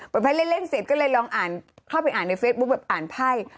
ไพ่เล่นเสร็จก็เลยลองอ่านเข้าไปอ่านในเฟซบุ๊คแบบอ่านไพ่